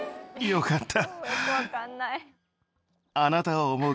よかった。